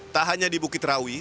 tak hanya di bukit rawi